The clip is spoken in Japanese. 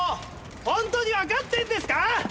本当にわかってんですか！？